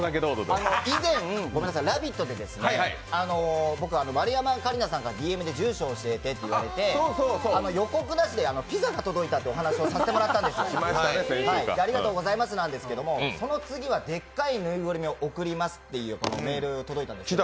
以前「ラヴィット！」で丸山桂里奈さんからＤＭで住所教えてっていわれて予告なしでピザが届いたってお話をさせてもらったんです、ありがとうございますなんですけどその次はでっかい縫いぐるみを送りますってメールが届いたんです。